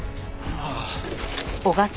ああ。